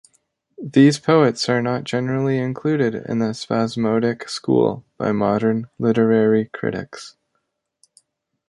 These poets are not generally included in the Spasmodic school by modern literary critics.